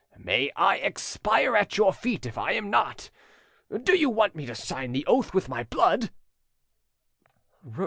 "May I expire at your feet if I am not! Do you want me to sign the oath with my blood?"